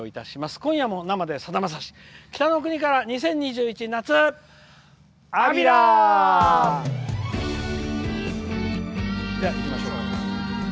「今夜も生でさだまさし北の国から２０２１夏・安平」。いきましょう！